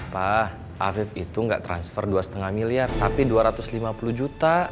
pak afif itu nggak transfer dua lima miliar tapi dua ratus lima puluh juta